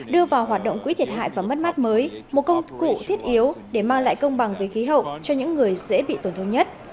đưa vào hoạt động quỹ thiệt hại và mất mát mới một công cụ thiết yếu để mang lại công bằng về khí hậu cho những người dễ bị tổn thương nhất